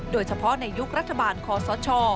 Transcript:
โดยเฉพาะในยุครัฐบาลคอสช